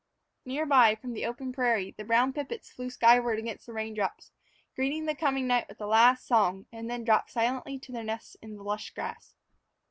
Near by, from the open prairie, the brown pippets flew skyward against the rain drops, greeting the coming night with a last song, and then dropped silently to their nests in the lush grass.